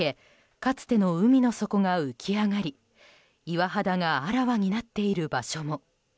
かつての海の底が浮き上がり岩肌があらわになっている場所も。